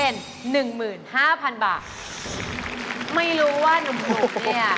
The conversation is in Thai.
ไม่รู้ว่านุ่มเนี่ย